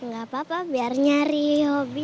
gak apa apa biar nyari hobi